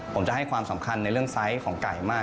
ผมจะให้ความสำคัญในเรื่องไซส์ของไก่มาก